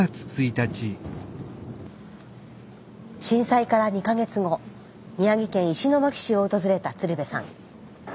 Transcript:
震災から２か月後宮城県石巻市を訪れた鶴瓶さん。